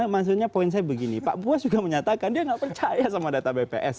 maksudnya poin saya begini pak buas juga menyatakan dia nggak percaya sama data bps